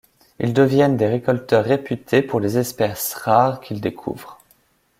Ils deviennent des récolteurs réputés pour les espèces rares qu’ils découvrent.